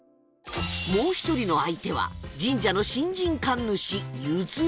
もう一人の相手は神社の新人神主譲